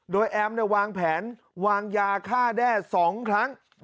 โดยแอมวางแผนวางยาฆ่าแด้๒ครั้ง